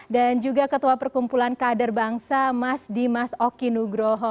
dan juga ketua perkumpulan kader bangsa mas dimas okinugroho